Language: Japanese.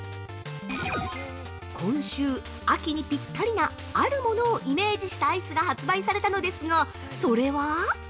今週、秋にぴったりなあるものをイメージしたアイスが発売されたのですが、それは？